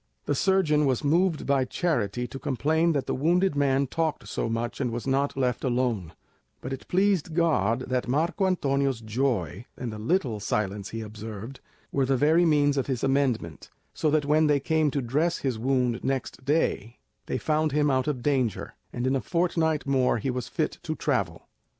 The surgeon was moved by charity to complain that the wounded man talked so much and was not left alone; but it pleased God that Marco Antonio's joy, and the little silence he observed, were the very means of his amendment, so that when they came to dress his wound next day, they found him out of danger, and in a fortnight more he was fit to travel.